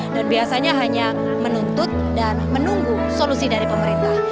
dan biasanya hanya menuntut dan menunggu solusi dari pemerintah